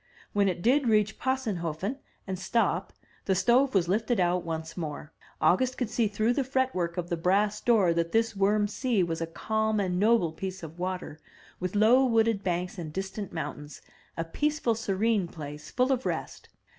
When it did reach Possenhofen and stop, and the stove was lifted out once more, August could see through the fretwork of the brass door that this Wurm See was a calm and noble piece of water, with low wooded banks and distant mountains, a peaceful, serene place, full of rest.